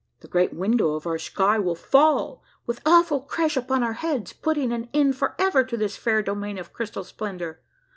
The great window of our sky will fall with awful crash upon our heads, putting an end forever to this fair domain of crystal splendor.